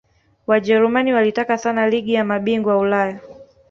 Wajerumani walitaka sana ligi ya mabingwa Ulaya